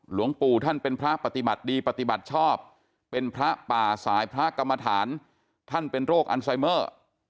หลวงปู่ท่านเป็นพระปฏิบัติดีปฏิบัติชอบเป็นพระป่าสายพระกรรมฐานท่านเป็นโรคอันไซเมอร์